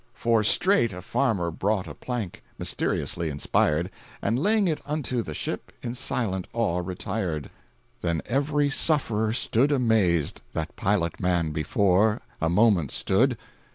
For straight a farmer brought a plank,—(Mysteriously inspired)—And laying it unto the ship, In silent awe retired. Then every sufferer stood amazed That pilot man before; A moment stood.